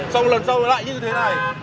xong lần sau lại như thế này